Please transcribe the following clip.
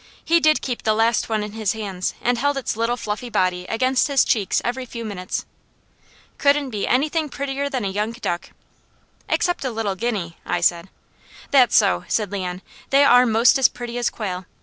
He did keep the last one in his hands, and held its little fluffy body against his cheeks every few minutes. "Couldn't anything be prettier than a young duck." "Except a little guinea," I said. "That's so!" said Leon. "They are most as pretty as quail.